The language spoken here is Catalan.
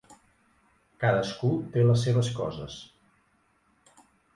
Cadascú té les seves coses.